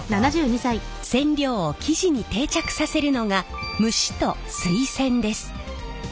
染料を生地に定着させるのが蒸しと水洗です。